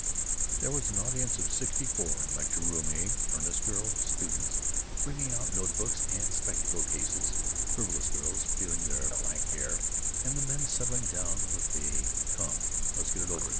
There was an audience of sixty four in Lecture room A—earnest girl students bringing out note books and spectacle cases, frivolous girls feeling their back hair, and the men settling down with a "Come, let's get it over!"